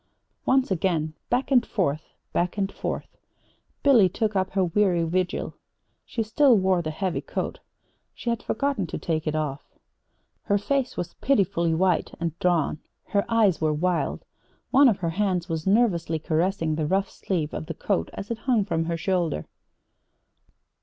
Once again, back and forth, back and forth, Billy took up her weary vigil. She still wore the heavy coat. She had forgotten to take it off. Her face was pitifully white and drawn. Her eyes were wild. One of her hands was nervously caressing the rough sleeve of the coat as it hung from her shoulder.